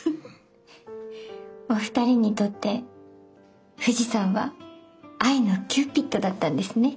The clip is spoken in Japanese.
お二人にとって富士山は愛のキューピッドだったんですね。